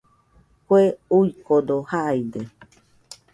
Kue uikode jaide